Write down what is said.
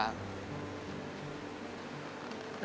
ครับ